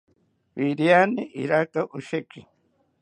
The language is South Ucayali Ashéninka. iriani iraka osheki